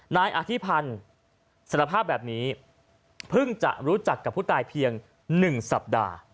นายอธิพันธ์สารภาพแบบนี้เพิ่งจะรู้จักกับผู้ตายเพียง๑สัปดาห์